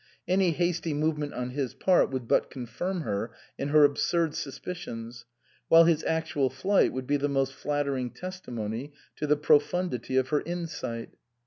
Any hasty movement on his part would but confirm her in her absurd suspicions, while his actual flight would be the most flatter ing testimony to the profundity of her insight.